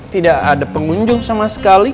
tidak ada pengunjung sama sekali